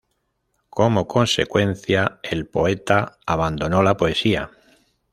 Como consecuencia el poeta abandonó la poesía.